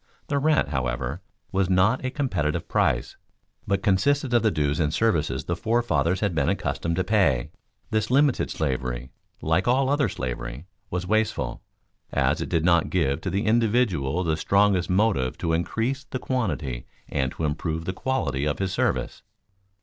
The rent, however, was not a competitive price, but consisted of the dues and services the forefathers had been accustomed to pay. This limited slavery, like all other slavery, was wasteful, as it did not give to the individual the strongest motive to increase the quantity and to improve the quality of his service.